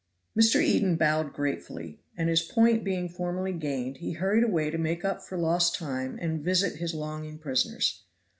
Mr. Eden bowed gratefully, and his point being formally gained, he hurried away to make up for lost time and visit his longing prisoners.